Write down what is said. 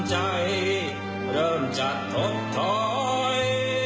ศิลปินทฤษฎี